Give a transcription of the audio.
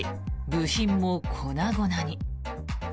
部品も粉々に。